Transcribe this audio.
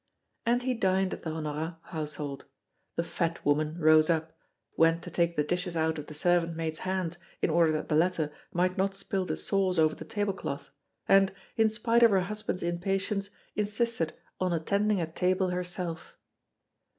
And he dined at the Honorat household. The fat woman rose up, went to take the dishes out of the servant maid's hands, in order that the latter might not spill the sauce over the tablecloth, and, in spite of her husband's impatience, insisted on attending at table herself.